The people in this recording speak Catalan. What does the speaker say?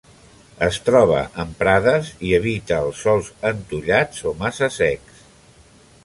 Es troba en prades i evita els sòls entollats o massa secs.